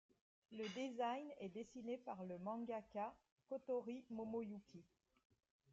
Le design est dessiné par le mangaka Kotori Momoyuki.